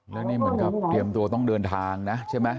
แล้วนี่เหมือนกับเตรียมตัวต้องเดินทางนะใช่ไหม